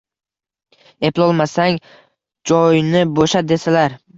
Eplolmasang joyni bo’shat desalar